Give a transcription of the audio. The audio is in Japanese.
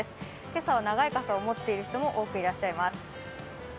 今朝は長い傘を持っている人も多くいらっしゃいます。